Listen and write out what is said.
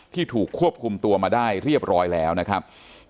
ถูกควบคุมตัวมาได้เรียบร้อยแล้วนะครับ